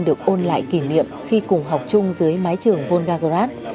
được ôn lại kỷ niệm khi cùng học chung dưới mái trường volgas